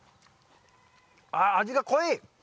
ああ味が濃い！